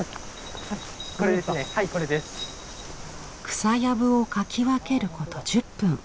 草やぶをかき分けること１０分。